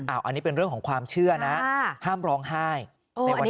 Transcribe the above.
อันนี้เป็นเรื่องของความเชื่อนะห้ามร้องไห้ในวันนี้